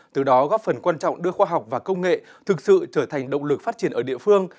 từ đó góp phần quan trọng đưa khoa học và công nghệ thực sự trở thành động lực phát triển ở địa phương